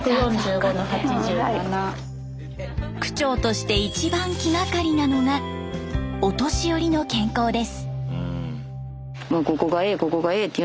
区長として一番気がかりなのがお年寄りの健康です。